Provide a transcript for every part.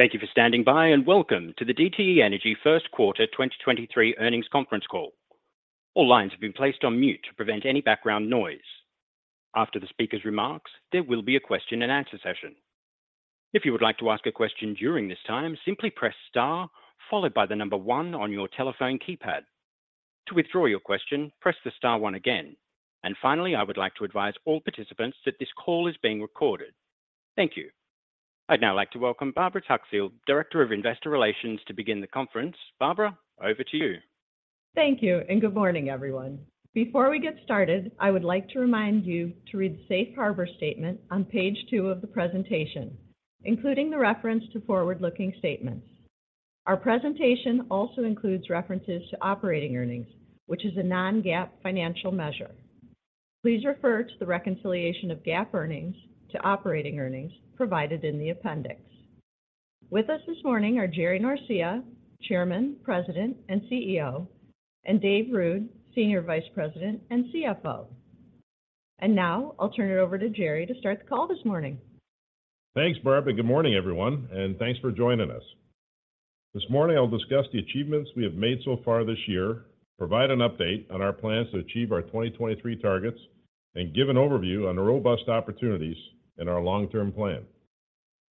Thank you for standing by. Welcome to the DTE Energy first quarter 2023 earnings conference call. All lines have been placed on mute to prevent any background noise. After the speaker's remarks, there will be a question-and-answer session. If you would like to ask a question during this time, simply press star followed by one on your telephone keypad. To withdraw your question, press the star one again. Finally, I would like to advise all participants that this call is being recorded. Thank you. I'd now like to welcome Barbara Tuckfield, Director of Investor Relations, to begin the conference. Barbara, over to you. Thank you. Good morning, everyone. Before we get started, I would like to remind you to read the safe harbor statement on page two of the presentation, including the reference to forward-looking statements. Our presentation also includes references to operating earnings, which is a non-GAAP financial measure. Please refer to the reconciliation of GAAP earnings to operating earnings provided in the Appendix. With us this morning are Jerry Norcia, Chairman, President, and CEO, and Dave Ruud, Senior Vice President and CFO. Now, I'll turn it over to Jerry to start the call this morning. Thanks, Barbara. Good morning, everyone, and thanks for joining us. This morning, I'll discuss the achievements we have made so far this year, provide an update on our plans to achieve our 2023 targets, and give an overview on the robust opportunities in our long-term plan.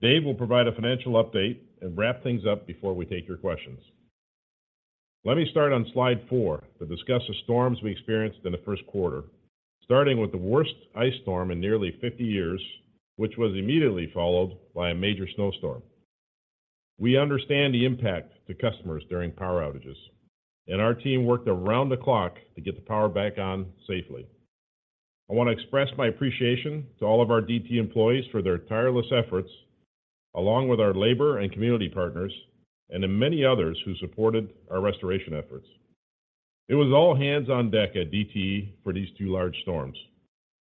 Dave will provide a financial update and wrap things up before we take your questions. Let me start on slide four to discuss the storms we experienced in the first quarter, starting with the worst ice storm in nearly 50 years, which was immediately followed by a major snowstorm. We understand the impact to customers during power outages. Our team worked around the clock to get the power back on safely. I want to express my appreciation to all of our DTE employees for their tireless efforts, along with our labor and community partners and the many others who supported our restoration efforts. It was all hands on deck at DTE for these two large storms.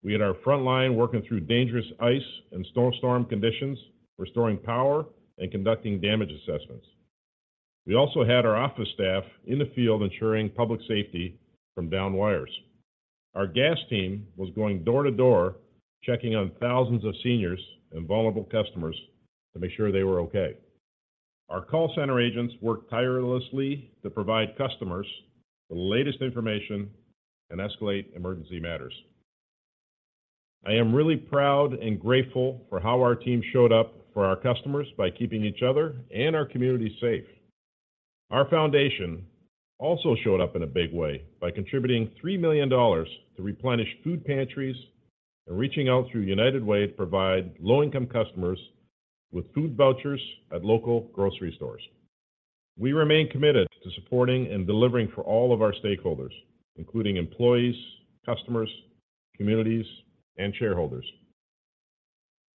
We had our front line working through dangerous ice and snow storm conditions, restoring power and conducting damage assessments. We also had our office staff in the field ensuring public safety from downed wires. Our gas team was going door to door, checking on thousands of seniors and vulnerable customers to make sure they were okay. Our call center agents worked tirelessly to provide customers the latest information and escalate emergency matters. I am really proud and grateful for how our team showed up for our customers by keeping each other and our community safe. Our foundation also showed up in a big way by contributing $3 million to replenish food pantries and reaching out through United Way to provide low-income customers with food vouchers at local grocery stores. We remain committed to supporting and delivering for all of our stakeholders, including employees, customers, communities, and shareholders.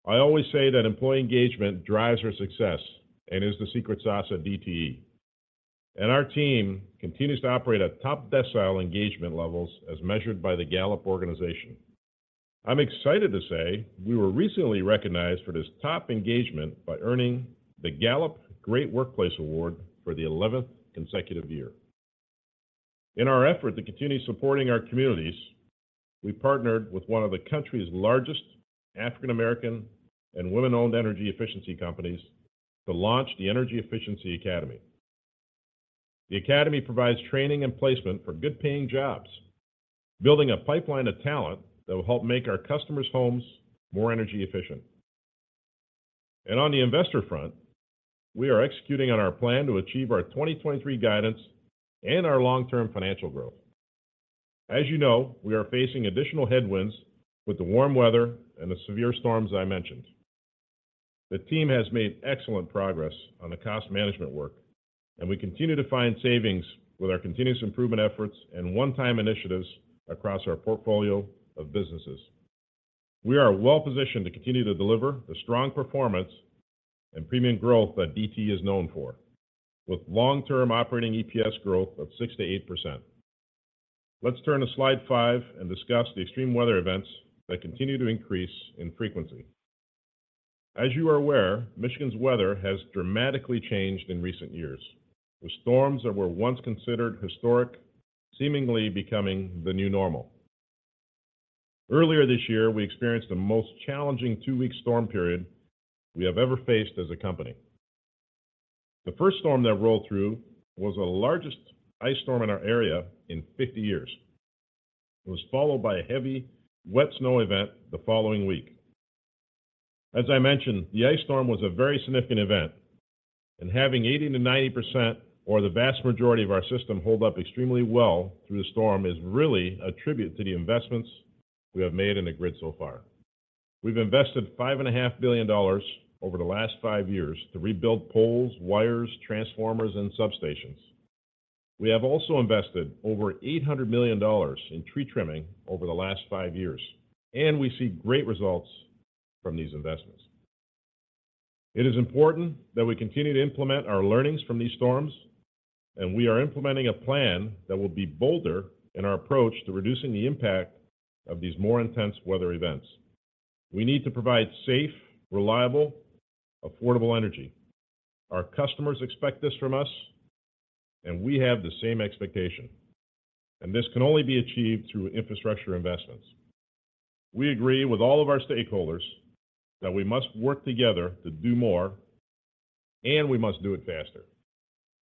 I always say that employee engagement drives our success and is the secret sauce at DTE, and our team continues to operate at top decile engagement levels as measured by the Gallup organization. I'm excited to say we were recently recognized for this top engagement by earning the Gallup Great Workplace Award for the 11th consecutive year. In our effort to continue supporting our communities, we partnered with one of the country's largest African American and women-owned energy efficiency companies to launch the Energy Efficiency Academy. The academy provides training and placement for good-paying jobs, building a pipeline of talent that will help make our customers' homes more energy efficient. On the investor front, we are executing on our plan to achieve our 2023 guidance and our long-term financial growth. As you know, we are facing additional headwinds with the warm weather and the severe storms I mentioned. The team has made excellent progress on the cost management work, and we continue to find savings with our continuous improvement efforts and one-time initiatives across our portfolio of businesses. We are well positioned to continue to deliver the strong performance and premium growth that DTE is known for, with long-term operating EPS growth of 6%-8%. Let's turn to slide five and discuss the extreme weather events that continue to increase in frequency. As you are aware, Michigan's weather has dramatically changed in recent years, with storms that were once considered historic seemingly becoming the new normal. Earlier this year, we experienced the most challenging two-week storm period we have ever faced as a company. The first storm that rolled through was the largest ice storm in our area in 50 years. It was followed by a heavy wet snow event the following week. As I mentioned, the ice storm was a very significant event. Having 80%-90% or the vast majority of our system hold up extremely well through the storm is really a tribute to the investments we have made in the grid so far. We've invested $5.5 billion over the last five years to rebuild poles, wires, transformers, and substations. We have also invested over $800 million in tree trimming over the last five years, and we see great results from these investments. It is important that we continue to implement our learnings from these storms, and we are implementing a plan that will be bolder in our approach to reducing the impact of these more intense weather events. We need to provide safe, reliable, affordable energy. Our customers expect this from us. And we have the same expectation, and this can only be achieved through infrastructure investments. We agree with all of our stakeholders that we must work together to do more, and we must do it faster.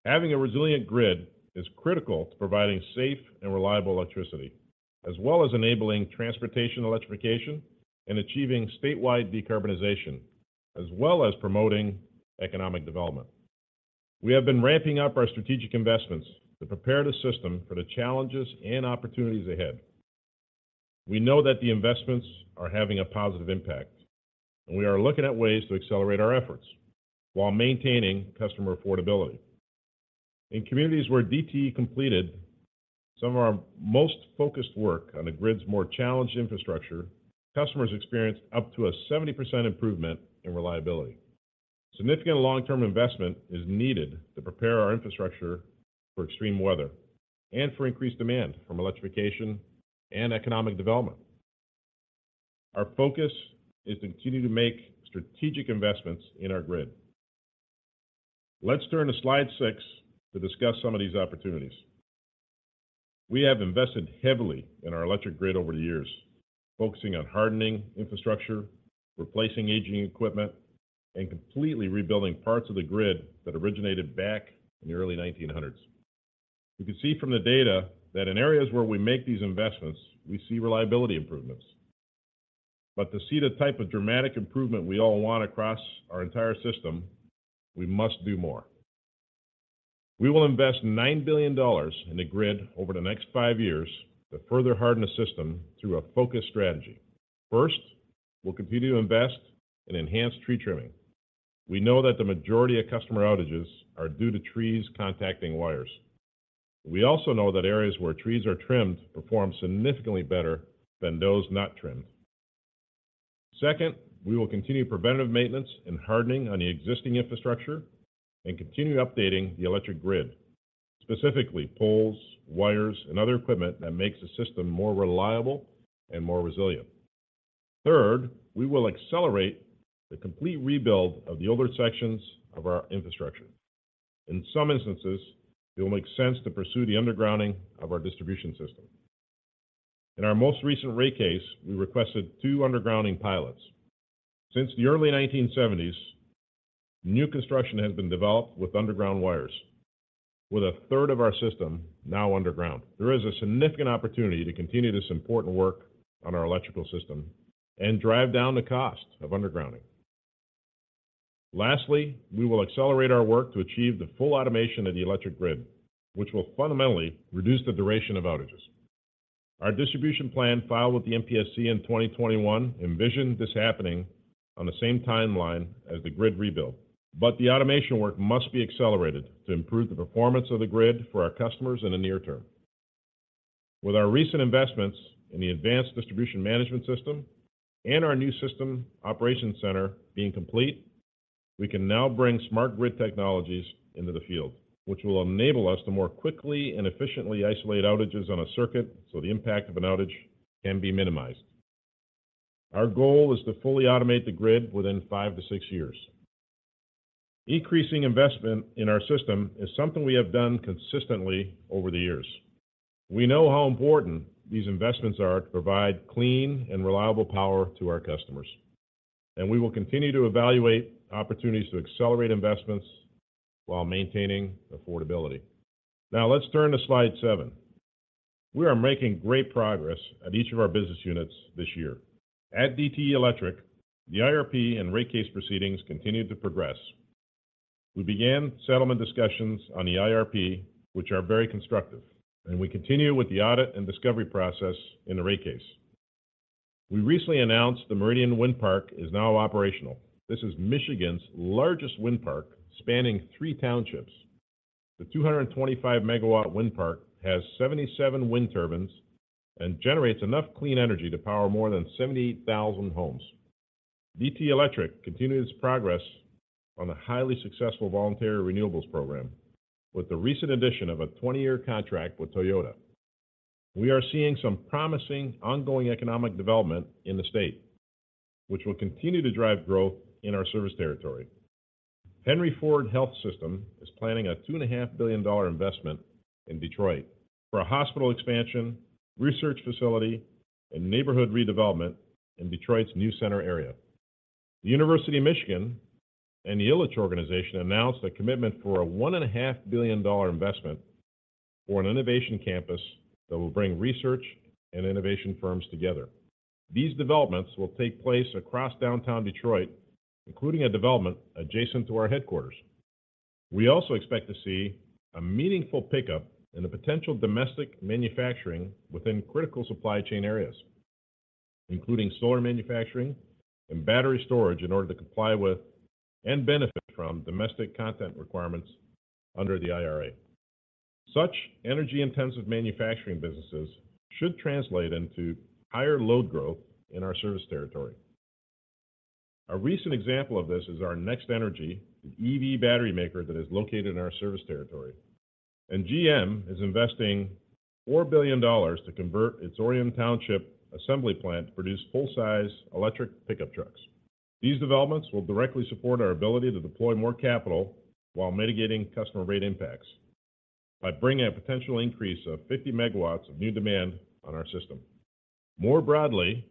Having a resilient grid is critical to providing safe and reliable electricity, as well as enabling transportation electrification and achieving statewide decarbonization, as well as promoting economic development. We have been ramping up our strategic investments to prepare the system for the challenges and opportunities ahead. We know that the investments are having a positive impact. We are looking at ways to accelerate our efforts while maintaining customer affordability. In communities where DTE completed some of our most focused work on the grid's more challenged infrastructure, customers experienced up to a 70% improvement in reliability. Significant long-term investment is needed to prepare our infrastructure for extreme weather and for increased demand from electrification and economic development. Our focus is to continue to make strategic investments in our grid. Let's turn to slide six to discuss some of these opportunities. We have invested heavily in our electric grid over the years, focusing on hardening infrastructure, replacing aging equipment, and completely rebuilding parts of the grid that originated back in the early 1900s. You can see from the data that in areas where we make these investments, we see reliability improvements. To see the type of dramatic improvement we all want across our entire system, we must do more. We will invest $9 billion in the grid over the next five years to further harden the system through a focused strategy. First, we'll continue to invest in enhanced tree trimming. We know that the majority of customer outages are due to trees contacting wires. We also know that areas where trees are trimmed perform significantly better than those not trimmed. Second, we will continue preventative maintenance and hardening on the existing infrastructure and continue updating the electric grid, specifically poles, wires, and other equipment that makes the system more reliable and more resilient. Third, we will accelerate the complete rebuild of the older sections of our infrastructure. In some instances, it will make sense to pursue the undergrounding of our distribution system. In our most recent rate case, we requested two undergrounding pilots. Since the early 1970s, new construction has been developed with underground wires, with a third of our system now underground. There is a significant opportunity to continue this important work on our electrical system and drive down the cost of undergrounding. Lastly, we will accelerate our work to achieve the full automation of the electric grid, which will fundamentally reduce the duration of outages. Our distribution plan filed with the MPSC in 2021 envisioned this happening on the same timeline as the grid rebuild. The automation work must be accelerated to improve the performance of the grid for our customers in the near term. With our recent investments in the advanced distribution management system and our new system operations center being complete, we can now bring smart grid technologies into the field, which will enable us to more quickly and efficiently isolate outages on a circuit so the impact of an outage can be minimized. Our goal is to fully automate the grid within five to six years. Increasing investment in our system is something we have done consistently over the years. We know how important these investments are to provide clean and reliable power to our customers, we will continue to evaluate opportunities to accelerate investments while maintaining affordability. Let's turn to slide seven. We are making great progress at each of our business units this year. At DTE Electric, the IRP and rate case proceedings continued to progress. We began settlement discussions on the IRP, which are very constructive, and we continue with the audit and discovery process in the rate case. We recently announced the Meridian Wind Park is now operational. This is Michigan's largest wind park, spanning three townships. The 225 MW wind park has 77 wind turbines and generates enough clean energy to power more than 78,000 homes. DTE Electric continued its progress on the highly successful voluntary renewables program with the recent addition of a 20-year contract with Toyota. We are seeing some promising ongoing economic development in the state, which will continue to drive growth in our service territory. Henry Ford Health is planning a two and a half billion dollar investment in Detroit for a hospital expansion, research facility, and neighborhood redevelopment in Detroit's New Center area. The University of Michigan and the Ilitch Organization announced a commitment for $1.5 billion investment for an innovation campus that will bring research and innovation firms together. These developments will take place across downtown Detroit, including a development adjacent to our headquarters. We also expect to see a meaningful pickup in the potential domestic manufacturing within critical supply chain areas, including solar manufacturing and battery storage, in order to comply with and benefit from domestic content requirements under the IRA. Such energy-intensive manufacturing businesses should translate into higher load growth in our service territory. A recent example of this is Our Next Energy, the EV battery maker that is located in our service territory. GM is investing $4 billion to convert its Orion Township assembly plant to produce full-size electric pickup trucks. These developments will directly support our ability to deploy more capital while mitigating customer rate impacts by bringing a potential increase of 50 MW of new demand on our system. More broadly,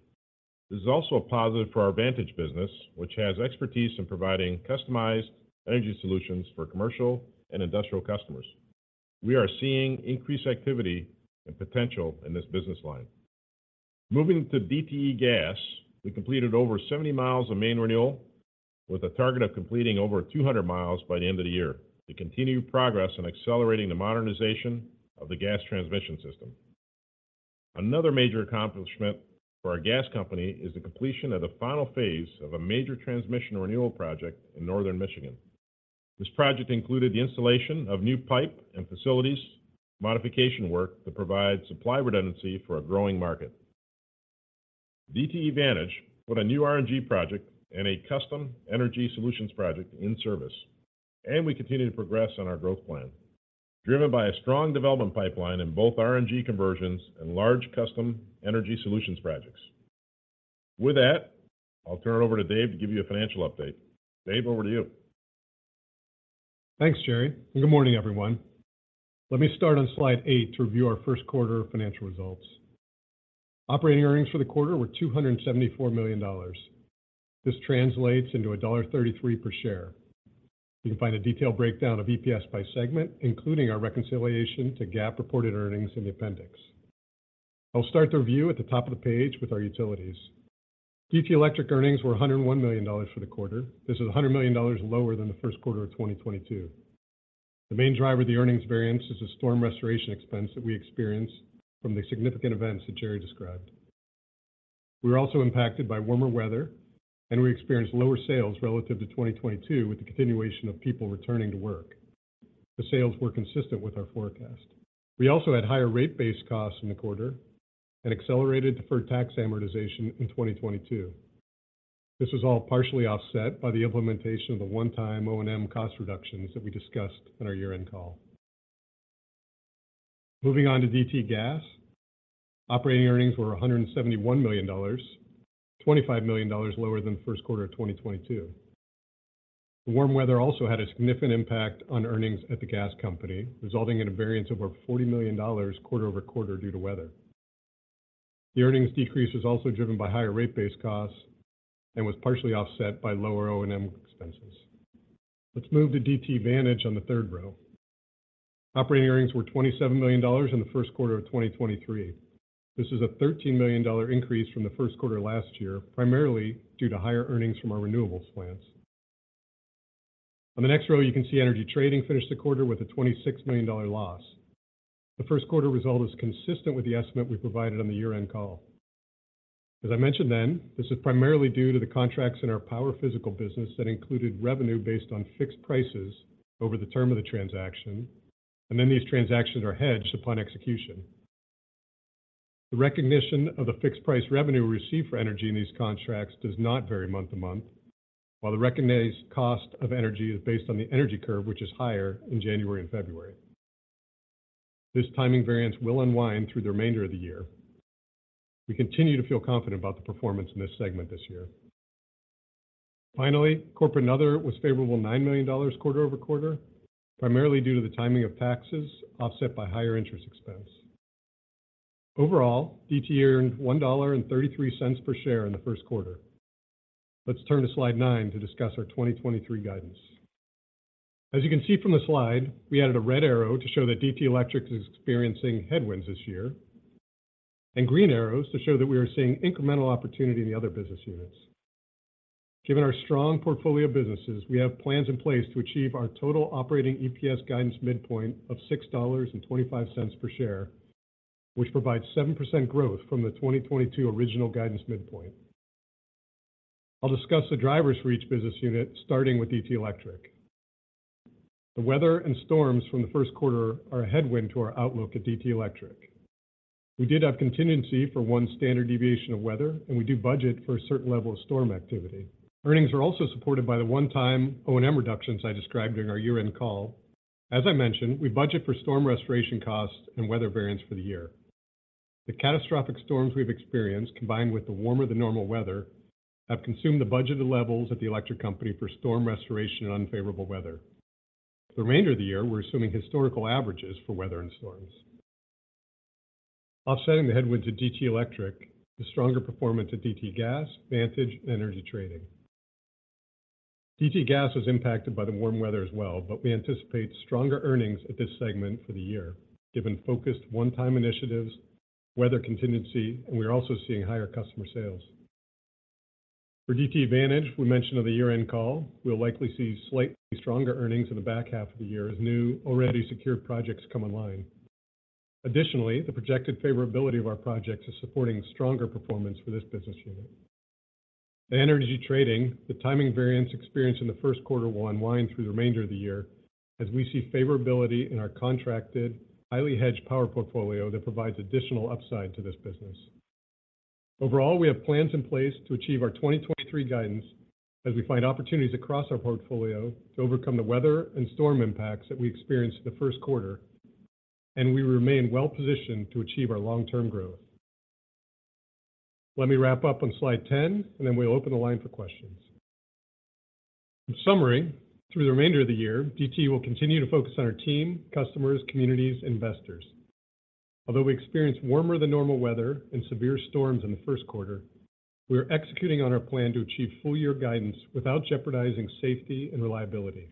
this is also a positive for our Vantage business, which has expertise in providing customized energy solutions for commercial and industrial customers. We are seeing increased activity and potential in this business line. Moving to DTE Gas, we completed over 70 mi of main renewal with a target of completing over 200 mi by the end of the year. To continue progress in accelerating the modernization of the gas transmission system. Another major accomplishment for our gas company is the completion of the final phase of a major transmission renewal project in Northern Michigan. This project included the installation of new pipe and facilities, modification work to provide supply redundancy for a growing market. DTE Vantage put a new RNG project and a custom energy solutions project in service, and we continue to progress on our growth plan. Driven by a strong development pipeline in both RNG conversions and large custom energy solutions projects. With that, I'll turn it over to Dave to give you a financial update. Dave, over to you. Thanks, Jerry. Good morning, everyone. Let me start on slide 8 to review our first quarter financial results. Operating earnings for the quarter were $274 million. This translates into $1.33 per share. You can find a detailed breakdown of EPS by segment, including our reconciliation to GAAP reported earnings in the Appendix. I'll start the review at the top of the page with our utilities. DTE Electric earnings were $101 million for the quarter. This is $100 million lower than the first quarter of 2022. The main driver of the earnings variance is a storm restoration expense that we experienced from the significant events that Jerry described. We were also impacted by warmer weather, and we experienced lower sales relative to 2022 with the continuation of people returning to work. The sales were consistent with our forecast. We also had higher rate base costs in the quarter and accelerated deferred tax amortization in 2022. This was all partially offset by the implementation of the one-time O&M cost reductions that we discussed in our year-end call. Moving on to DTE Gas. Operating earnings were $171 million, $25 million lower than the first quarter of 2022. The warm weather also had a significant impact on earnings at the gas company, resulting in a variance of over $40 million quarter-over-quarter due to weather. The earnings decrease was also driven by higher rate base costs and was partially offset by lower O&M expenses. Let's move to DTE Vantage on the third row. Operating earnings were $27 million in the first quarter of 2023. This is a $13 million increase from the first quarter last year, primarily due to higher earnings from our renewables plants. On the next row, you can see Energy Trading finished the quarter with a $26 million loss. The first quarter result is consistent with the estimate we provided on the year-end call. As I mentioned then, this is primarily due to the contracts in our power physical business that included revenue based on fixed prices over the term of the transaction, and then these transactions are hedged upon execution. The recognition of the fixed-price revenue received for energy in these contracts does not vary month to month, while the recognized cost of energy is based on the energy curve, which is higher in January and February. This timing variance will unwind through the remainder of the year. We continue to feel confident about the performance in this segment this year. Corporate and Other was favorable $9 million quarter-over-quarter, primarily due to the timing of taxes offset by higher interest expense. DTE earned $1.33 per share in the first quarter. Let's turn to Slide nine to discuss our 2023 guidance. As you can see from the slide, we added a red arrow to show that DTE Electric is experiencing headwinds this year, and green arrows to show that we are seeing incremental opportunity in the other business units. Given our strong portfolio of businesses, we have plans in place to achieve our total operating EPS guidance midpoint of $6.25 per share, which provides 7% growth from the 2022 original guidance midpoint. I'll discuss the drivers for each business unit, starting with DTE Electric. The weather and storms from the first quarter are a headwind to our outlook at DTE Electric. We did have contingency for 1 standard deviation of weather, and we do budget for a certain level of storm activity. Earnings are also supported by the one-time O&M reductions I described during our year-end call. As I mentioned, we budget for storm restoration costs and weather variance for the year. The catastrophic storms we've experienced, combined with the warmer-than-normal weather, have consumed the budgeted levels at the electric company for storm restoration and unfavorable weather. For the remainder of the year, we're assuming historical averages for weather and storms. Offsetting the headwinds at DTE Electric is stronger performance at DTE Gas, Vantage, and Energy Trading. DTE Gas was impacted by the warm weather as well, but we anticipate stronger earnings at this segment for the year, given focused one-time initiatives, weather contingency, and we are also seeing higher customer sales. For DTE Vantage, we mentioned on the year-end call, we'll likely see slightly stronger earnings in the back half of the year as new already secured projects come online. Additionally, the projected favorability of our projects is supporting stronger performance for this business unit. At Energy Trading, the timing variance experienced in the first quarter will unwind through the remainder of the year as we see favorability in our contracted, highly hedged power portfolio that provides additional upside to this business. Overall, we have plans in place to achieve our 2023 guidance as we find opportunities across our portfolio to overcome the weather and storm impacts that we experienced in the first quarter. We remain well positioned to achieve our long-term growth. Let me wrap up on slide 10, and then we'll open the line for questions. In summary, through the remainder of the year, DTE will continue to focus on our team, customers, communities, investors. Although we experienced warmer than normal weather and severe storms in the first quarter, we are executing on our plan to achieve full year guidance without jeopardizing safety and reliability.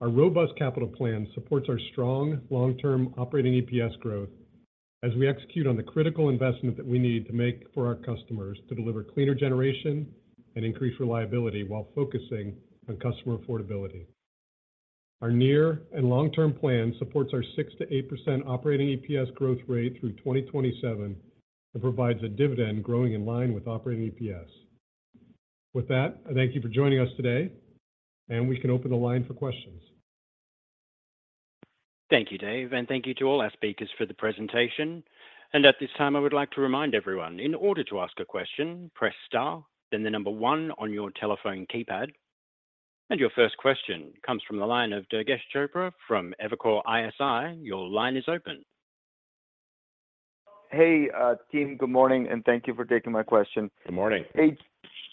Our robust capital plan supports our strong long-term operating EPS growth as we execute on the critical investment that we need to make for our customers to deliver cleaner generation and increase reliability while focusing on customer affordability. Our near and long-term plan supports our 6%-8% operating EPS growth rate through 2027, and provides a dividend growing in line with operating EPS. With that, I thank you for joining us today, and we can open the line for questions. Thank you, Dave, and thank you to all our speakers for the presentation. At this time, I would like to remind everyone in order to ask a question, press star, then the number one on your telephone keypad. Your first question comes from the line of Durgesh Chopra from Evercore ISI. Your line is open. Hey, team, good morning, and thank you for taking my question. Good morning.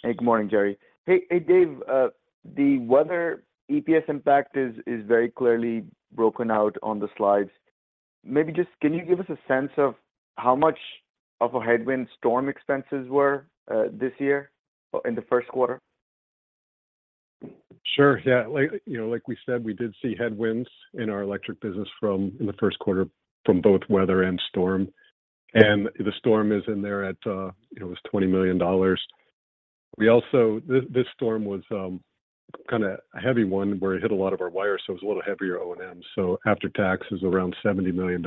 Good morning, Jerry. Dave, the weather EPS impact is very clearly broken out on the slides. Maybe just can you give us a sense of how much of a headwind storm expenses were this year or in the first quarter? Sure, yeah. Like, you know, we said, we did see headwinds in our electric business in the first quarter from both weather and storm. The storm is in there at, it was $20 million. This storm was kinda a heavy one, where it hit a lot of our wires, so it was a little heavier O&M. After tax is around $70 million.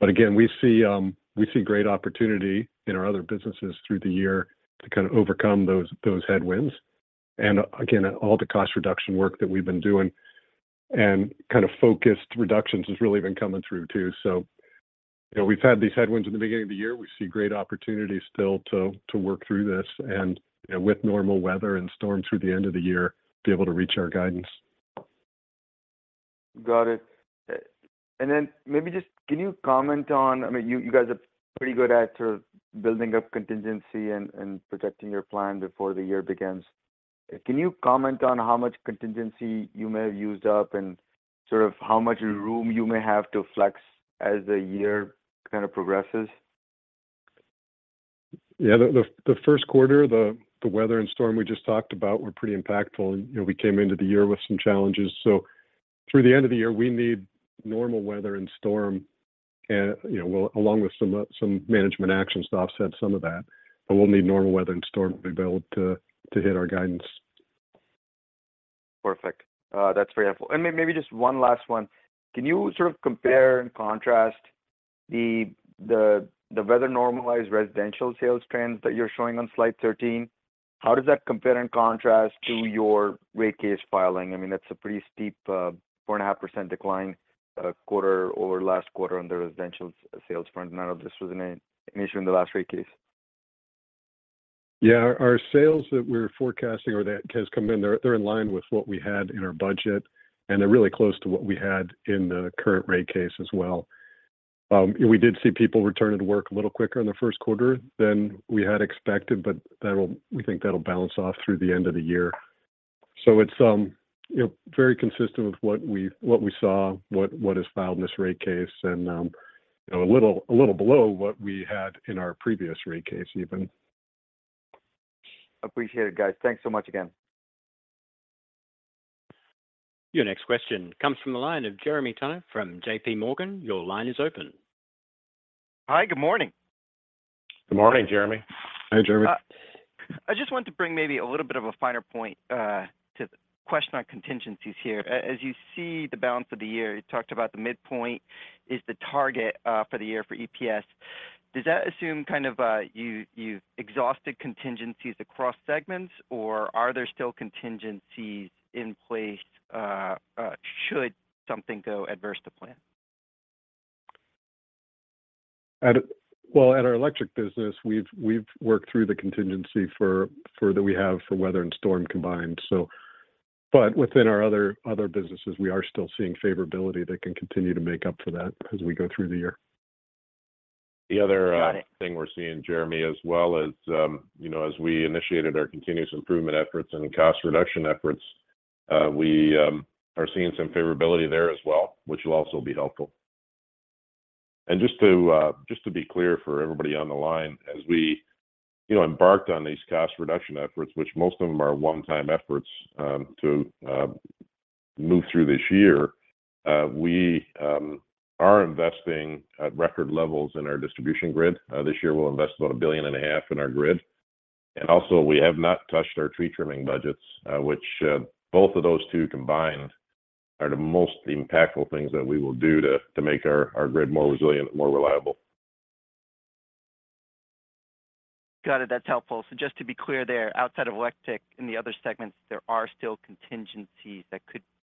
Again, we see great opportunity in our other businesses through the year to kind of overcome those headwinds. Again, all the cost-reduction work that we've been doing and kind of focused reductions has really been coming through too. You know, we've had these headwinds in the beginning of the year. We see great opportunities still to work through this and, you know, with normal weather and storm through the end of the year, be able to reach our guidance. Got it. Maybe just can you comment on, I mean, you guys are pretty good at sort of building up contingency and protecting your plan before the year begins. Can you comment on how much contingency you may have used up and sort of how much room you may have to flex as the year kind of progresses? Yeah. The first quarter, the weather and storm we just talked about were pretty impactful. You know, we came into the year with some challenges. Through the end of the year, we need normal weather and storm, you know, well, along with some management action to offset some of that. We'll need normal weather and storm to be able to hit our guidance. Perfect. That's very helpful. Maybe just one last one. Can you sort of compare and contrast the weather normalized residential sales trends that you're showing on slide 13? How does that compare and contrast to your rate case filing? I mean, that's a pretty steep 4.5% decline quarter over last quarter on the residential sales front. I know this was an issue in the last rate case. Our sales that we're forecasting or that has come in, they're in line with what we had in our budget. They're really close to what we had in the current rate case as well. We did see people return to work a little quicker in the first quarter than we had expected, we think that'll balance off through the end of the year. It's, you know, very consistent with what we saw, what is filed in this rate case, you know, a little below what we had in our previous rate case even. Appreciate it, guys. Thanks so much again. Your next question comes from the line of Jeremy Tonet from JPMorgan. Your line is open. Hi. Good morning. Good morning, Jeremy. Hi, Jeremy. I just want to bring maybe a little bit of a finer point to the question on contingencies here. As you see the balance of the year, you talked about the midpoint is the target for the year for EPS. Does that assume kind of, you've exhausted contingencies across segments, or are there still contingencies in place should something go adverse to plan? Well, at our electric business, we've worked through the contingency for that we have for weather and storm combined, so. Within our other businesses, we are still seeing favorability that can continue to make up for that as we go through the year. Got it. The other thing we're seeing, Jeremy, as well is, you know, as we initiated our continuous improvement efforts and cost reduction efforts, we are seeing some favorability there as well, which will also be helpful. Just to be clear for everybody on the line, as we, you know, embarked on these cost reduction efforts, which most of them are one-time efforts, to move through this year, we are investing at record levels in our distribution grid. This year we'll invest about a billion and a half in our grid. Also we have not touched our tree trimming budgets, which both of those two combined are the most impactful things that we will do to make our grid more resilient and more reliable. Got it. That's helpful. Just to be clear there, outside of electric, in the other segments, there are still contingencies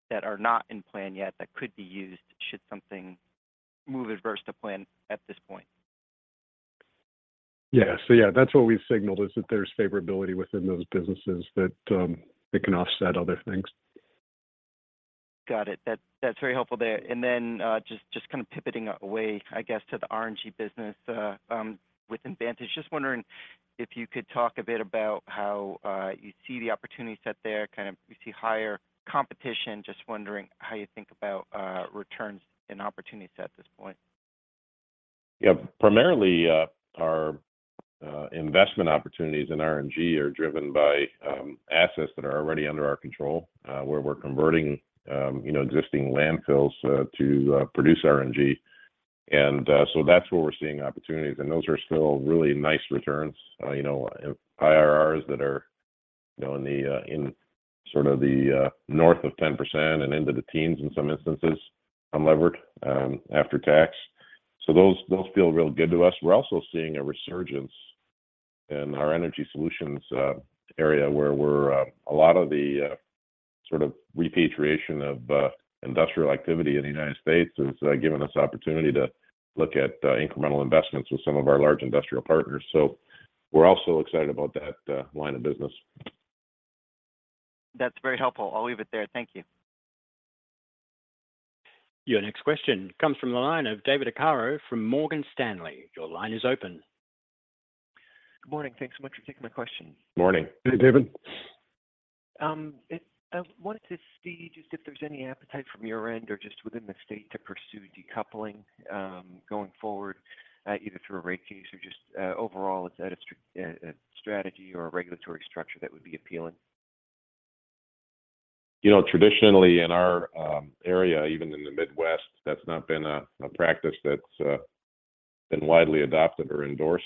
that are not in plan yet that could be used should something move adverse to plan at this point? Yeah. That's what we've signaled is that there's favorability within those businesses that it can offset other things. Got it. That's very helpful there. Then, just kind of pivoting away, I guess, to the RNG business within DTE Vantage. Just wondering if you could talk a bit about how you see the opportunity set there. Kind of you see higher competition. Just wondering how you think about returns and opportunities at this point. Yeah. Primarily, our investment opportunities in RNG are driven by assets that are already under our control, where we're converting, you know, existing landfills to produce RNG. That's where we're seeing opportunities, and those are still really nice returns. You know, IRRs that are, you know, in sort of the north of 10% and into the teens in some instances, unlevered, after tax. Those, those feel real good to us. We're also seeing a resurgence in our energy solutions area where we're a lot of the sort of repatriation of industrial activity in the United States has given us opportunity to look at incremental investments with some of our large industrial partners. We're also excited about that line of business. That's very helpful. I'll leave it there. Thank you. Your next question comes from the line of David Arcaro from Morgan Stanley. Your line is open. Good morning. Thanks so much for taking my question. Morning. Hey, David. I wanted to see just if there's any appetite from your end or just within the state to pursue decoupling, going forward, either through a rate case or just, overall is that a strategy or a regulatory structure that would be appealing? You know, traditionally in our area, even in the Midwest, that's not been a practice that's been widely adopted or endorsed.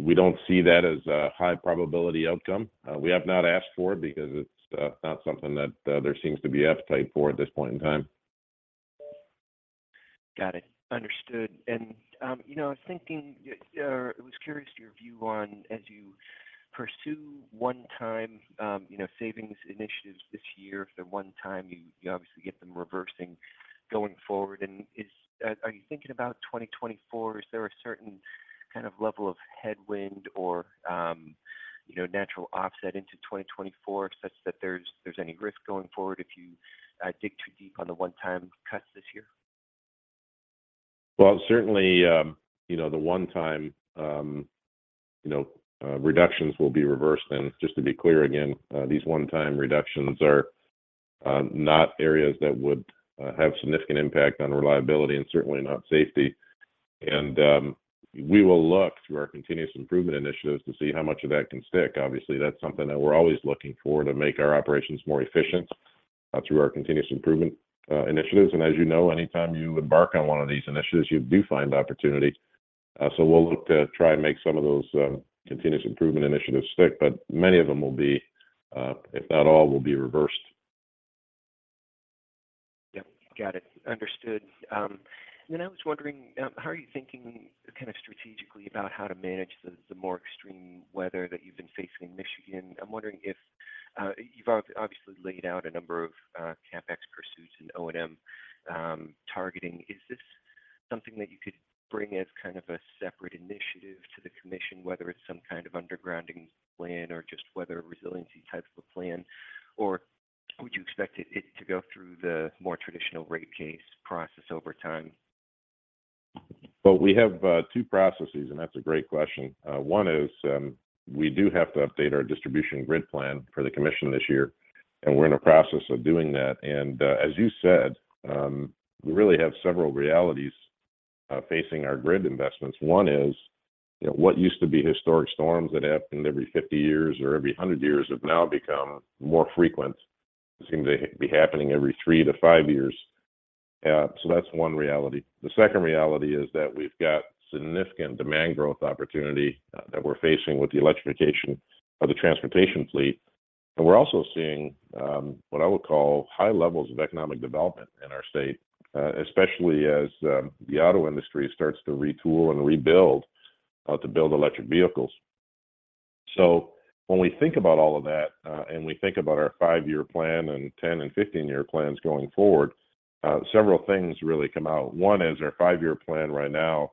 We don't see that as a high probability outcome. We have not asked for it because it's not something that there seems to be appetite for at this point in time. Got it. Understood. You know, I was thinking, I was curious to your view on as you pursue one-time, you know, savings initiatives this year. If they're one time, you obviously get them reversing going forward. Are you thinking about 2024? Is there a certain kind of level of headwind or, you know, natural offset into 2024 such that there's any risk going forward if you dig too deep on the one-time cuts this year? Well, certainly, you know, the one-time, you know, reductions will be reversed. Just to be clear again, these one-time reductions are not areas that would have significant impact on reliability and certainly not safety. We will look through our continuous improvement initiatives to see how much of that can stick. Obviously, that's something that we're always looking for to make our operations more efficient, through our continuous improvement initiatives. As you know, anytime you embark on one of these initiatives, you do find opportunity. We'll look to try and make some of those, continuous improvement initiatives stick, but many of them will be, if not all, will be reversed. Yep. Got it. Understood. I was wondering, how are you thinking kind of strategically about how to manage the more extreme weather that you've been facing in Michigan? I'm wondering if you've obviously laid out a number of CapEx pursuits and O&M targeting. Is this something that you could bring as kind of a separate initiative to the commission, whether it's some kind of undergrounding plan or just weather resiliency type of a plan, or would you expect it to go through the more traditional rate case process over time? Well, we have two processes, and that's a great question. One is, we do have to update our distribution grid plan for the Commission this year. We're in the process of doing that. As you said, we really have several realities facing our grid investments. One is, you know, what used to be historic storms that happened every 50 years or every 100 years have now become more frequent. They seem to be happening every three to five years. That's one reality. The second reality is that we've got significant demand growth opportunity that we're facing with the electrification of the transportation fleet. We're also seeing what I would call high levels of economic development in our state, especially as the auto industry starts to retool and rebuild to build electric vehicles. When we think about all of that, and we think about our five-year plan and 10- and 15-year plans going forward, several things really come out. One is our five-year plan right now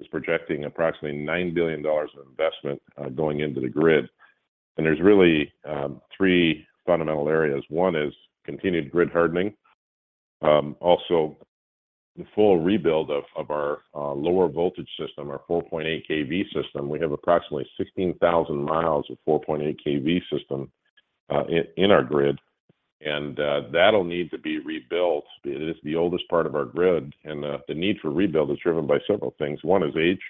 is projecting approximately $9 billion of investment going into the grid. There's really, three fundamental areas. One is continued grid hardening. Also the full rebuild of our lower voltage system, our 4.8 kV system. We have approximately 16,000 mi of 4.8 kV system in our grid, that'll need to be rebuilt. It is the oldest part of our grid, the need for rebuild is driven by several things. One is age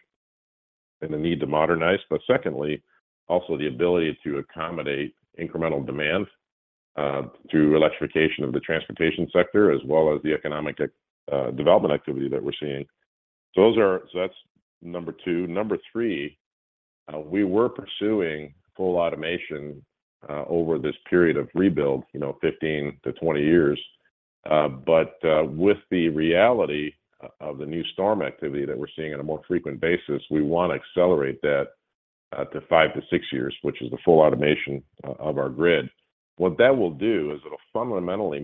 and the need to modernize. Secondly, also the ability to accommodate incremental demand through electrification of the transportation sector as well as the economic development activity that we're seeing. That's number two. Number three, we were pursuing full automation over this period of rebuild, you know, 15 to 20 years. With the reality of the new storm activity that we're seeing on a more frequent basis, we want to accelerate that to five to six years, which is the full automation of our grid. What that will do is it'll fundamentally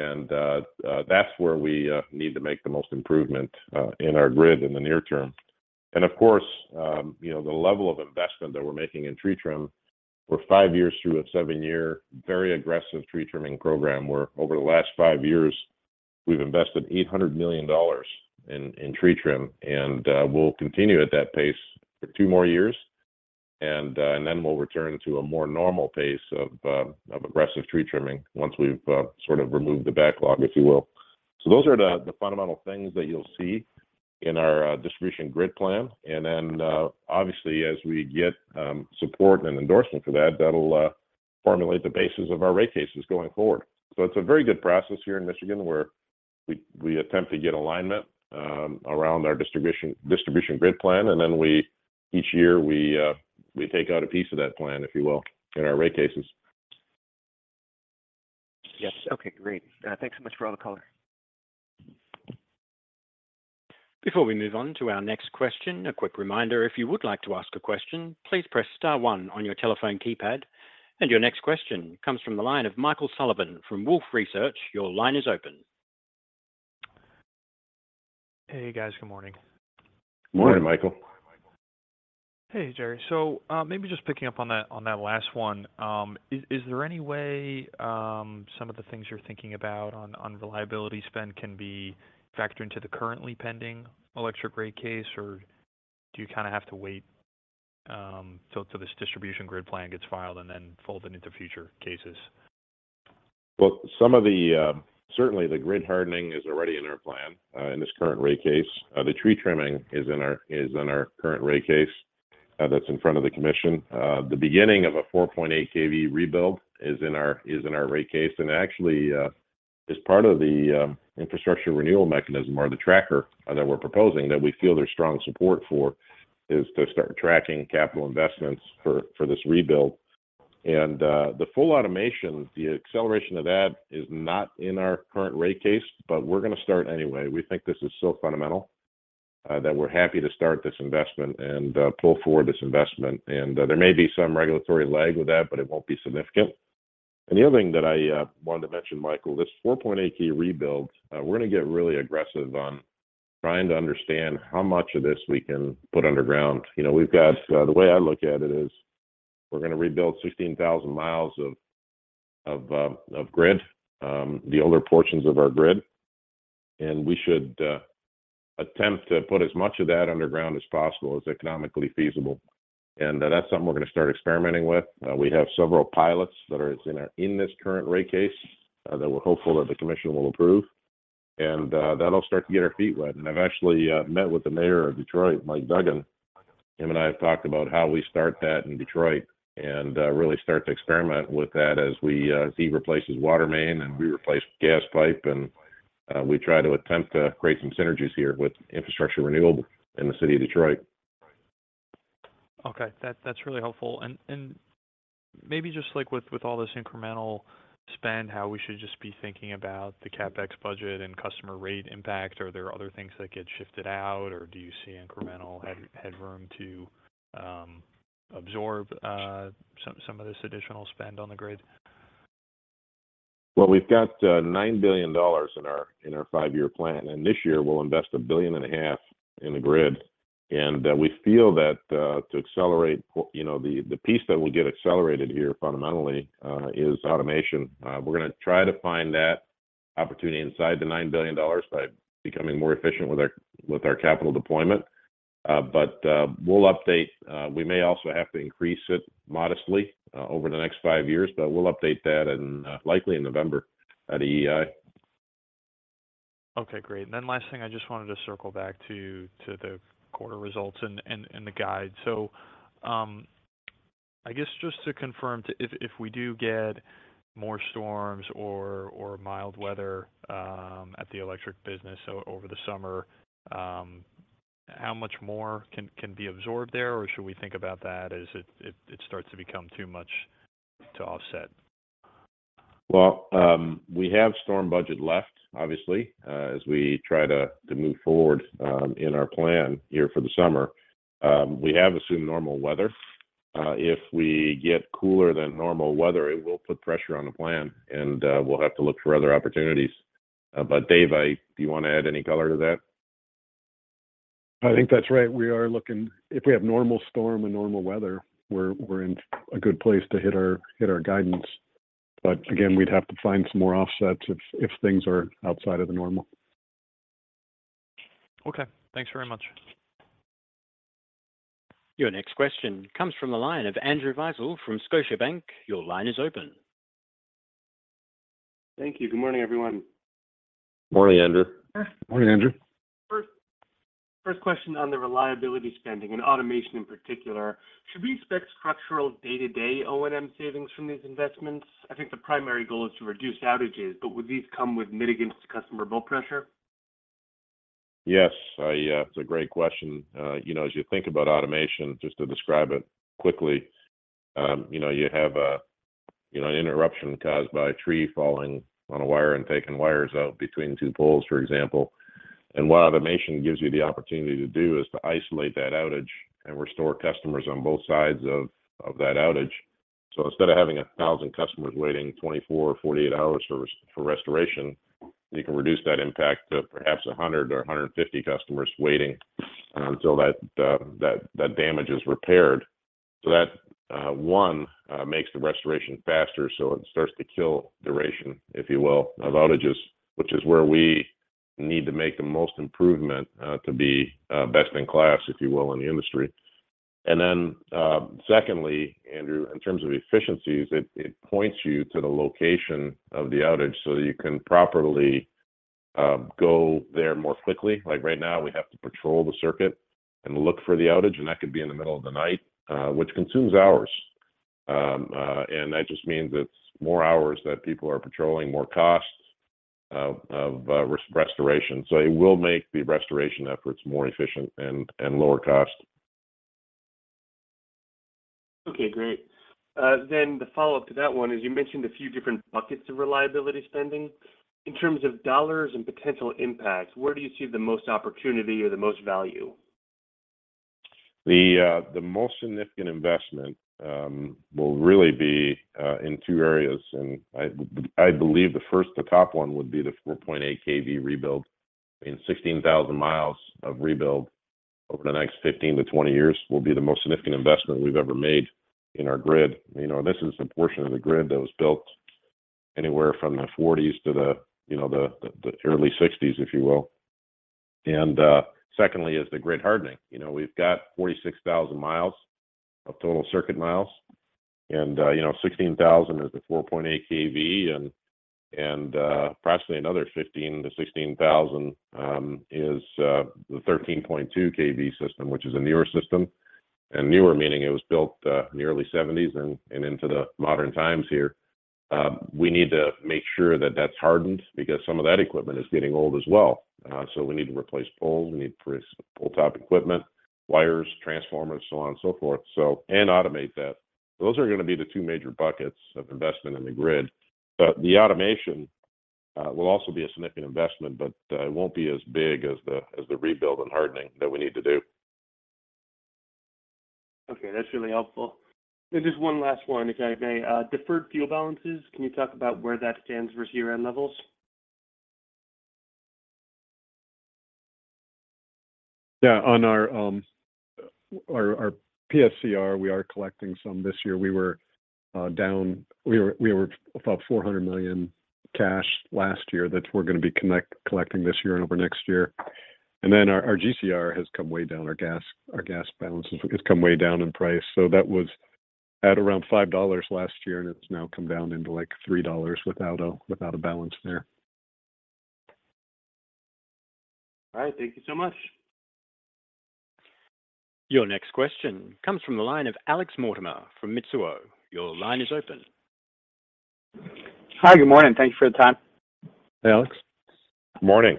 move the duration of outages. That's where we need to make the most improvement in our grid in the near term. Of course, you know, the level of investment that we're making in tree trim for five years through a seven-year very aggressive tree trimming program, where over the last five years, we've invested $800 million in tree trim. We'll continue at that pace for two more years. Then we'll return to a more normal pace of aggressive tree trimming once we've sort of removed the backlog, if you will. Those are the fundamental things that you'll see in our distribution grid plan. Then obviously as we get support and endorsement for that'll formulate the basis of our rate cases going forward. It's a very good process here in Michigan, where we attempt to get alignment around our distribution grid plan. We, each year, we take out a piece of that plan, if you will, in our rate cases. Yes. Okay, great. Thanks so much for all the color. Before we move on to our next question, a quick reminder. If you would like to ask a question, please press star one on your telephone keypad. Your next question comes from the line of Michael Sullivan from Wolfe Research. Your line is open. Hey, guys. Good morning. Morning, Michael. Morning, Michael. Hey, Jerry. maybe just picking up on that last one, is there any way, some of the things you're thinking about on reliability spend can be factored into the currently pending electric rate case? Or do you kinda have to wait, till this distribution grid plan gets filed and then fold it into future cases? Well, some of the, certainly the grid hardening is already in our plan, in this current rate case. The tree trimming is in our current rate case, that's in front of the commission. The beginning of a 4.8 kV rebuild is in our rate case. Actually, as part of the infrastructure renewal mechanism or the tracker, that we're proposing that we feel there's strong support for, is to start tracking capital investments for this rebuild. The full automation, the acceleration of that is not in our current rate case, but we're gonna start anyway. We think this is so fundamental, that we're happy to start this investment and pull forward this investment. There may be some regulatory lag with that, but it won't be significant. The other thing that I wanted to mention, Michael, this 4.8 kV rebuild, we're gonna get really aggressive on trying to understand how much of this we can put underground. You know, the way I look at it is we're gonna rebuild 16,000 mi of grid, the older portions of our grid, and we should attempt to put as much of that underground as possible, as economically feasible. That's something we're gonna start experimenting with. We have several pilots that are in this current rate case, that we're hopeful that the Commission will approve. That'll start to get our feet wet. I've actually met with the Mayor of Detroit, Mike Duggan. Him and I have talked about how we start that in Detroit and really start to experiment with that as we as he replaces water main and we replace gas pipe, and we try to attempt to create some synergies here with infrastructure renewable in the city of Detroit. Okay. That's really helpful. Maybe just like with all this incremental spend, how we should just be thinking about the CapEx budget and customer rate impact. Are there other things that get shifted out, or do you see incremental headroom to absorb some of this additional spend on the grid? Well, we've got $9 billion in our five-year plan. This year, we'll invest $1.5 billion in the grid. We feel that to accelerate, you know, the piece that will get accelerated here fundamentally is automation. We're gonna try to find that opportunity inside the $9 billion by becoming more efficient with our capital deployment. We'll update. We may also have to increase it modestly over the next five years, but we'll update that, likely in November at EEI. Okay, great. Last thing, I just wanted to circle back to the quarter results and the guide. I guess just to confirm, if we do get more storms or mild weather at the electric business over the summer, how much more can be absorbed there? Should we think about that as it starts to become too much to offset? Well, we have storm budget left, obviously. As we try to move forward in our plan here for the summer. We have assumed normal weather. If we get cooler than normal weather, it will put pressure on the plan and we'll have to look for other opportunities. Dave, do you wanna add any color to that? I think that's right. If we have normal storm and normal weather, we're in a good place to hit our guidance. Again, we'd have to find some more offsets if things are outside of the normal. Okay. Thanks very much. Your next question comes from the line of Andrew Weisel from Scotiabank. Your line is open. Thank you. Good morning, everyone. Morning, Andrew. Morning, Andrew. First question on the reliability spending and automation in particular, should we expect structural day-to-day O&M savings from these investments? I think the primary goal is to reduce outages, but would these come with mitigants to customer bill pressure? Yes. It's a great question. You know, as you think about automation, just to describe it quickly, you know, you have You know, an interruption caused by a tree falling on a wire and taking wires out between two poles, for example. What automation gives you the opportunity to do is to isolate that outage and restore customers on both sides of that outage. Instead of having 1,000 customers waiting 24 or 48 hours for restoration, you can reduce that impact to perhaps 100 or 150 customers waiting until that damage is repaired. That, one, makes the restoration faster, so it starts to kill duration, if you will, of outages, which is where we need to make the most improvement, to be best in class, if you will, in the industry. Then, secondly, Andrew, in terms of efficiencies, it points you to the location of the outage so you can properly go there more quickly. Like, right now, we have to patrol the circuit and look for the outage, and that could be in the middle of the night, which consumes hours. That just means it's more hours that people are patrolling, more costs of restoration. It will make the restoration efforts more efficient and lower cost. Okay. Great. The follow-up to that one is you mentioned a few different buckets of reliability spending. In terms of dollars and potential impacts, where do you see the most opportunity or the most value? The, the most significant investment will really be in two areas. I believe the first, the top one would be the 4.8 kV rebuild. I mean, 16,000 mi of rebuild over the next 15-20 years will be the most significant investment we've ever made in our grid. You know, this is the portion of the grid that was built anywhere from the 1940s to the, you know, the early 1960s, if you will. Secondly is the grid hardening. You know, we've got 46,000 mi of total circuit miles and, you know, 16,000 mi is the 4.8 kV, and approximately another 15,000 mi-16,000 mi is the 13.2 kV system, which is a newer system, and newer meaning it was built in the early 1970s and into the modern times here. We need to make sure that that's hardened because some of that equipment is getting old as well. We need to replace poles, we need to replace pole top equipment, wires, transformers, so on and so forth, and automate that. Those are gonna be the two major buckets of investment in the grid. The automation will also be a significant investment, but it won't be as big as the rebuild and hardening that we need to do. Okay, that's really helpful. Just one last one, if I may. Deferred fuel balances, can you talk about where that stands versus year-end levels? On our PSCR, we are collecting some this year. We were up about $400 million cash last year that we're going to be collecting this year and over next year. Our GCR has come way down. Our gas balances has come way down in price. That was at around $5 last year, and it's now come down into, like, $3 without a balance there. All right. Thank you so much. Your next question comes from the line of Alex Mortimer from Mizuho. Your line is open. Hi. Good morning. Thank you for the time. Hey, Alex. Morning.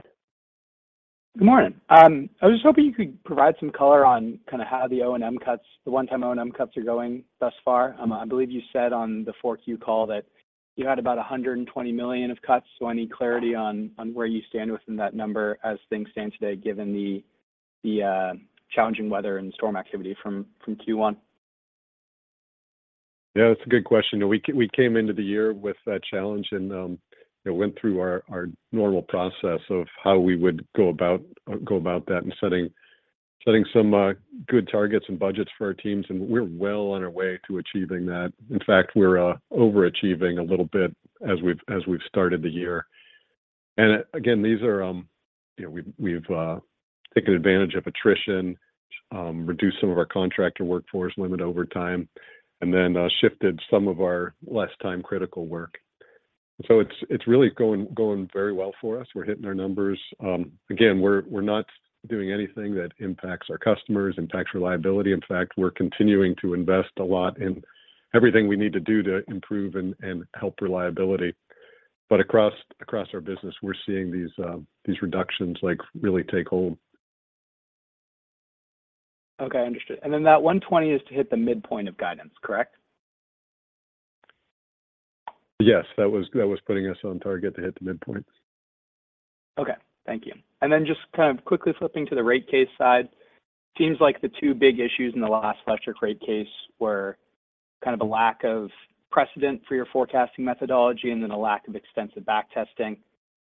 Good morning. I was hoping you could provide some color on kind of how the O&M cuts, the one-time O&M cuts are going thus far. I believe you said on the 4Q call that you had about $120 million of cuts. I need clarity on where you stand within that number as things stand today given the challenging weather and storm activity from Q1. Yeah, that's a good question. We came into the year with that challenge and, you know, went through our normal process of how we would go about that and setting some good targets and budgets for our teams, and we're well on our way to achieving that. In fact, we're overachieving a little bit as we've started the year. Again, these are, you know, we've taken advantage of attrition, reduced some of our contractor workforce, limited overtime, and then shifted some of our less time-critical work. It's really going very well for us. We're hitting our numbers. Again, we're not doing anything that impacts our customers, impacts reliability. In fact, we're continuing to invest a lot in everything we need to do to improve and help reliability. Across our business, we're seeing these reductions, like, really take hold. Okay. Understood. That $120 million is to hit the midpoint of guidance, correct? Yes. That was putting us on target to hit the midpoint. Okay. Thank you. Just kind of quickly flipping to the rate case side, seems like the two big issues in the last electric rate case were kind of a lack of precedent for your forecasting methodology and then a lack of extensive back testing.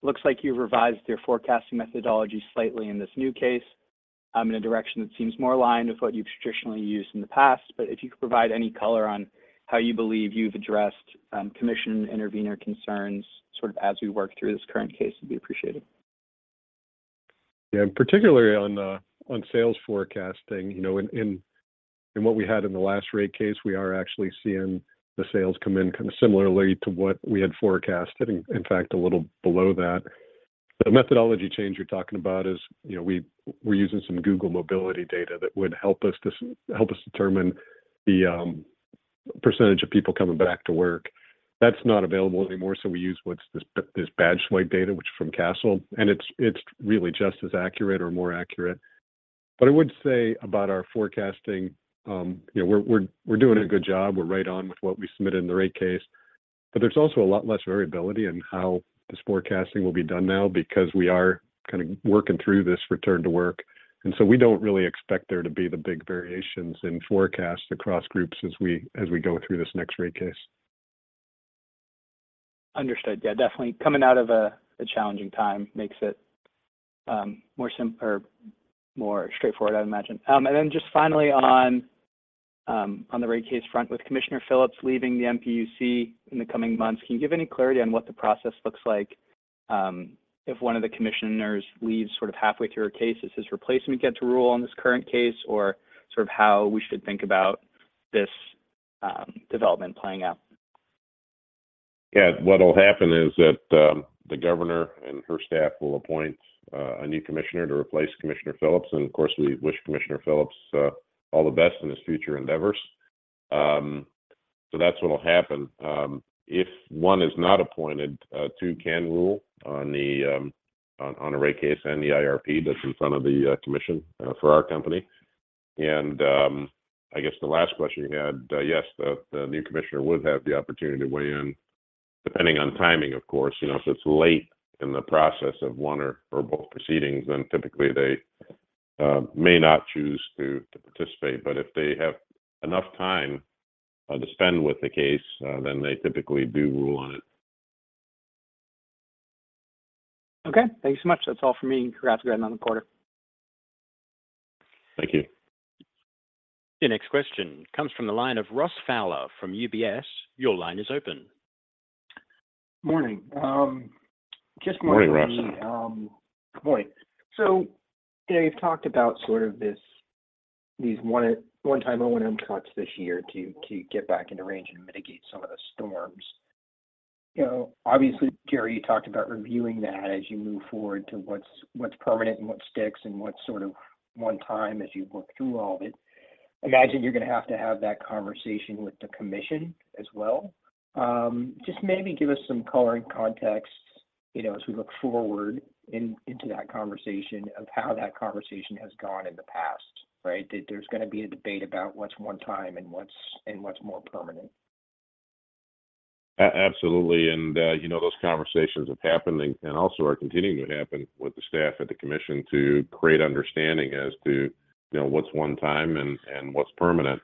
Looks like you revised your forecasting methodology slightly in this new case, in a direction that seems more aligned with what you've traditionally used in the past. If you could provide any color on how you believe you've addressed, commission intervener concerns sort of as we work through this current case, it'd be appreciated. Yeah. Particularly on sales forecasting. You know, in what we had in the last rate case, we are actually seeing the sales come in kind of similarly to what we had forecasted, in fact, a little below that. The methodology change you're talking about is, you know, we're using some Google mobility data that would help us determine the percentage of people coming back to work. That's not available anymore, so we use what's this badge swipe data, which is from Kastle, and it's really just as accurate or more accurate I would say about our forecasting, you know, we're doing a good job. We're right on with what we submitted in the rate case. There's also a lot less variability in how this forecasting will be done now because we are kinda working through this return to work. We don't really expect there to be the big variations in forecasts across groups as we go through this next rate case. Understood. Yeah, definitely coming out of a challenging time makes it more straightforward, I would imagine. Just finally on the rate case front with Commissioner Phillips leaving the MPSC in the coming months, can you give any clarity on what the process looks like, if one of the commissioners leaves sort of halfway through a case? Does his replacement get to rule on this current case or sort of how we should think about this development playing out? Yeah. What'll happen is that, the governor and her staff will appoint a new Commissioner to replace Commissioner Phillips, and of course, we wish Commissioner Phillips all the best in his future endeavors. That's what'll happen. If one is not appointed, two can rule on the, on a rate case and the IRP that's in front of the commission for our company. I guess the last question you had, yes, the new Commissioner would have the opportunity to weigh in, depending on timing, of course. You know, if it's late in the process of one or both proceedings, then typically they may not choose to participate. If they have enough time to spend with the case, then they typically do rule on it. Okay. Thank you so much. That's all for me. Congrats again on the quarter. Thank you. The next question comes from the line of Ross Fowler from UBS. Your line is open. Morning. Just more on the- Morning, Ross. Morning. You know, you've talked about sort of this, these one-time O&M cuts this year to get back into range and mitigate some of the storms. You know, obviously, Jerry, you talked about reviewing that as you move forward to what's permanent and what sticks and what's sort of one-time as you work through all of it. I imagine you're gonna have to have that conversation with the commission as well. Just maybe give us some color and context, you know, as we look forward into that conversation of how that conversation has gone in the past, right? That there's gonna be a debate about what's one-time and what's more permanent. Absolutely. You know, those conversations have happened and also are continuing to happen with the staff at the commission to create understanding as to, you know, what's one time and what's permanent.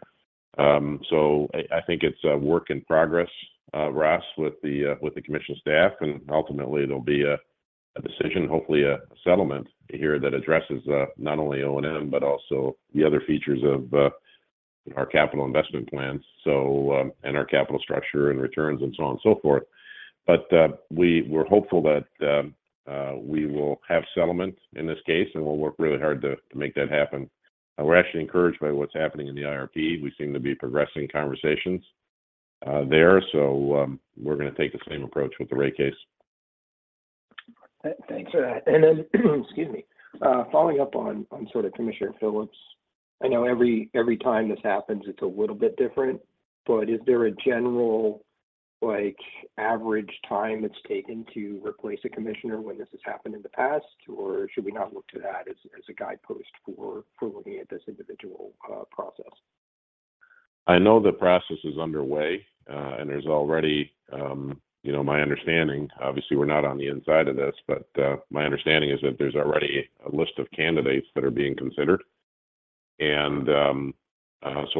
I think it's a work in progress, Ross, with the commission staff, and ultimately there'll be a decision, hopefully a settlement here that addresses not only O&M, but also the other features of our capital investment plans, and our capital structure and returns and so on and so forth. We're hopeful that we will have settlement in this case, and we'll work really hard to make that happen. We're actually encouraged by what's happening in the IRP. We seem to be progressing conversations there. We're gonna take the same approach with the rate case. Thanks for that. Excuse me, following up on sort of Commissioner Phillips, I know every time this happens it's a little bit different, but is there a general, like, average time it's taken to replace a commissioner when this has happened in the past? Or should we not look to that as a guidepost for looking at this individual process? I know the process is underway. There's already, you know. My understanding, obviously we're not on the inside of this, but, my understanding is that there's already a list of candidates that are being considered.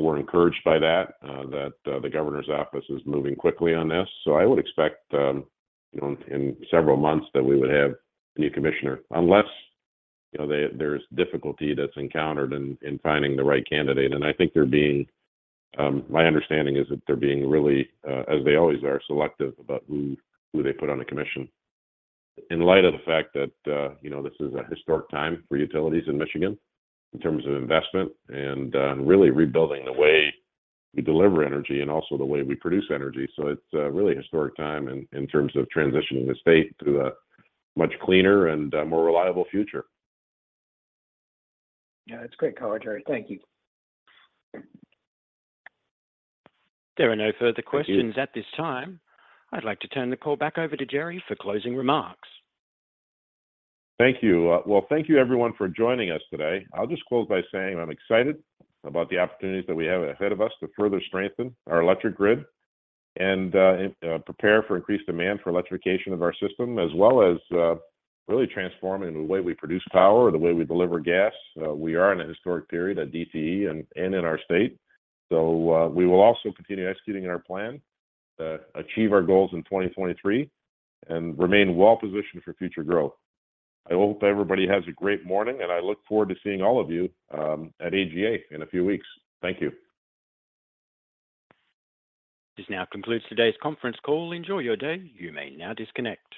We're encouraged by that the governor's office is moving quickly on this. I would expect, you know, in several months that we would have a new commissioner, unless, you know, there's difficulty that's encountered in finding the right candidate. I think they're being. My understanding is that they're being really, as they always are, selective about who they put on the commission in light of the fact that, you know, this is a historic time for utilities in Michigan in terms of investment and, really rebuilding the way we deliver energy and also the way we produce energy. It's a really historic time in terms of transitioning the state to a much cleaner and a more reliable future. Yeah. That's great color, Jerry. Thank you. There are no further questions at this time. I'd like to turn the call back over to Jerry for closing remarks. Thank you. Well, thank you, everyone, for joining us today. I'll just close by saying I'm excited about the opportunities that we have ahead of us to further strengthen our electric grid and prepare for increased demand for electrification of our system, as well as really transforming the way we produce power, the way we deliver gas. We are in a historic period at DTE and in our state. We will also continue executing our plan to achieve our goals in 2023 and remain well positioned for future growth. I hope everybody has a great morning, and I look forward to seeing all of you at AGA in a few weeks. Thank you. This now concludes today's conference call. Enjoy your day. You may now disconnect.